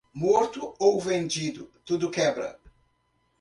Morto ou vendido, tudo quebra.